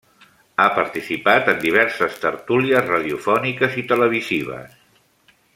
Ha participat en diverses tertúlies radiofòniques i televisives.